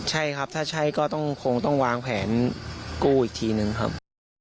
ใช่ครับถ้าใช่ก็ต้องคงต้องวางแผนกู้อีกทีนึงครับ